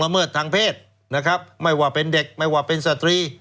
ไม่ว่าเป็นเด็กไม่ว่าเป็นสตรี